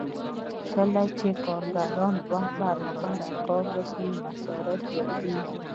کله چې کارګران دوه برابره کار وکړي مصارف زیاتېږي